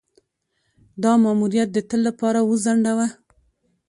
دا ماموریت د تل لپاره وځنډاوه.